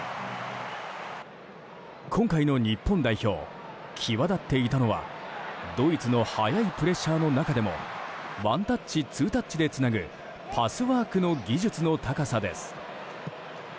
今回の日本代表際立っていたのはドイツの速いプレッシャーの中でもワンタッチ、ツータッチでつなぐパスワークの技術の高さです。